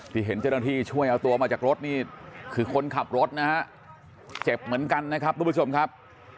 เห็นเจ้าหน้าที่ช่วยเอาตัวมาจากรถนี่คือคนขับรถนะฮะเจ็บเหมือนกันนะครับทุกผู้ชมครับ